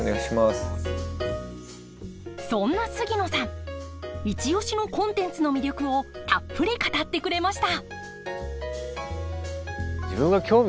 そんな杉野さんイチ推しのコンテンツの魅力をたっぷり語ってくれました。